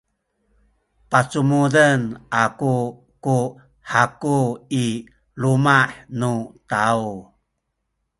pacumuden aku ku haku i luma’ nu taw.